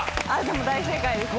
大正解ですね。